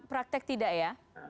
praktek tidak ya